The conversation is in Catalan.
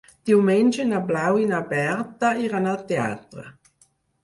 Diumenge na Blau i na Berta iran al teatre.